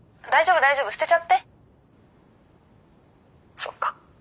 そっか。